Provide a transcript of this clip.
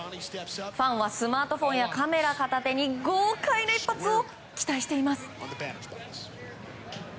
ファンはスマートフォンやカメラ片手に豪快な一発を期待しています。